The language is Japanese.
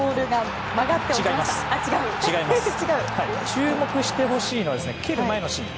注目してほしいのは蹴る前のシーン。